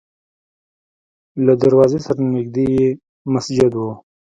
له دروازې سره نږدې یې مسجد و.